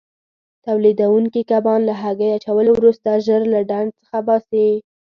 تولیدوونکي کبان له هګۍ اچولو وروسته ژر له ډنډ څخه باسي.